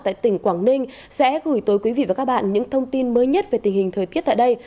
tại tỉnh quảng ninh sẽ gửi tới quý vị và các bạn những thông tin mới nhất về tình hình thời tiết tại đây